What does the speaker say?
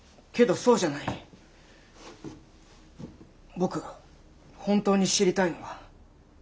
僕が本当に知りたいのは。